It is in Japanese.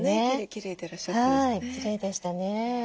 きれいでしたね。